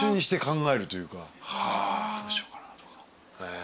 どうしようかなとか。